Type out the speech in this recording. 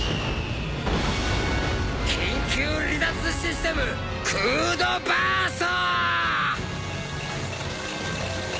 緊急離脱システムクー・ド・バースト！